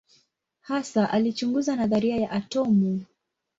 Hasa alichunguza nadharia ya atomu.